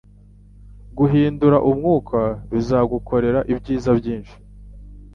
Guhindura umwuka bizagukorera ibyiza byinshi.